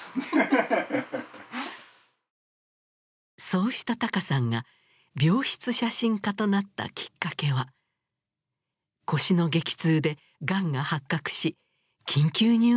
そうしたＴＡＫＡさんが病室写真家となったきっかけは腰の激痛でがんが発覚し緊急入院したことでした。